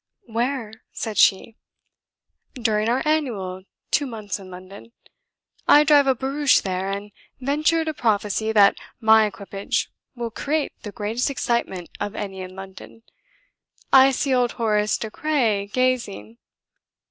"Where?" said she. "During our annual two months in London. I drive a barouche there, and venture to prophesy that my equipage will create the greatest excitement of any in London. I see old Horace De Craye gazing!"